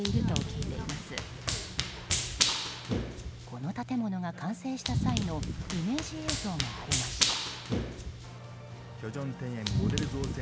この建物が完成した際のイメージ映像がありました。